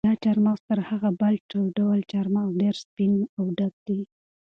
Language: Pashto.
دا چهارمغز تر هغه بل ډول چهارمغز ډېر سپین او ډک دي.